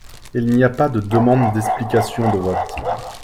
Il n’y a pas de demande d’explication de votes.